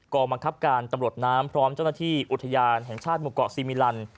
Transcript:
บังคับการตำรวจน้ำพร้อมเจ้าหน้าที่อุทยานแห่งชาติหมู่เกาะซีมิลัน